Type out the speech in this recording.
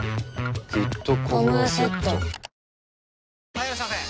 はいいらっしゃいませ！